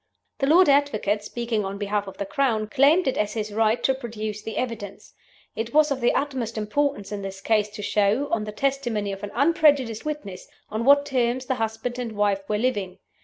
The Lord Advocate (speaking on behalf of the Crown) claimed it as his right to produce the evidence. It was of the utmost importance in this case to show (on the testimony of an unprejudiced witness) on what terms the husband and wife were living.